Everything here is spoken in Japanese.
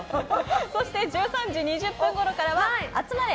そして１３時２０分ごろからはあつまれ！